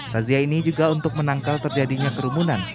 razia ini juga untuk menangkal terjadinya kerumunan